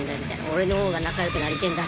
オレの方が仲良くなりてーんだ！